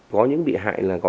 có những bị hại là có